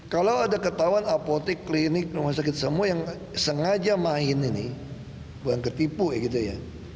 kalau ada ketahuan apotek klinik rumah sakit semua yang sengaja main ini bukan ketipu ya gitu ya